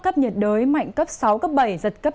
thấp nhận đới mạnh cấp sáu cấp bảy giật cấp chín